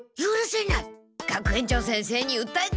学園長先生にうったえてやる！